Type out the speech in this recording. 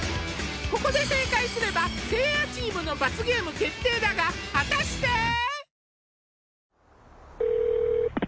ここで正解すればせいやチームの罰ゲーム決定だが果たして！？